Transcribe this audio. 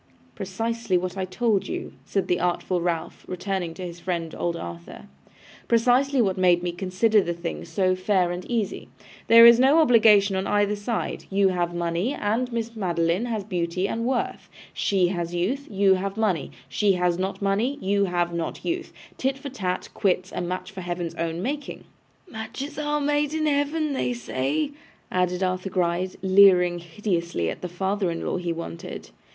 'Precisely what I told you,' said the artful Ralph, turning to his friend, old Arthur. 'Precisely what made me consider the thing so fair and easy. There is no obligation on either side. You have money, and Miss Madeline has beauty and worth. She has youth, you have money. She has not money, you have not youth. Tit for tat, quits, a match of Heaven's own making!' 'Matches are made in Heaven, they say,' added Arthur Gride, leering hideously at the father in law he wanted.